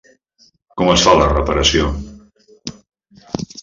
Com es fa la reparació?